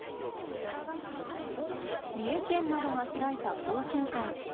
三重県などが開いた講習会。